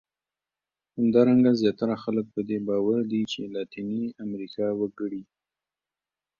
همدارنګه زیاتره خلک په دې باور دي چې لاتیني امریکا وګړي.